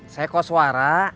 saya ko suara